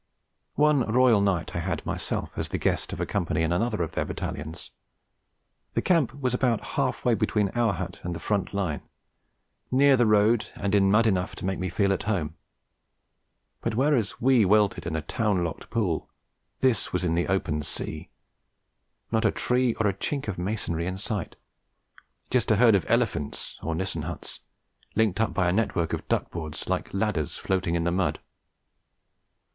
One royal night I had myself as the guest of a Company in another of their Battalions. The camp was about half way between our hut and the front line, near the road and in mud enough to make me feel at home. But whereas we weltered in a town locked pool, this was in the open sea; not a tree or a chink of masonry in sight; just a herd of 'elephants' or Nissen huts, linked up by a network of duck boards like ladders floating in the mud.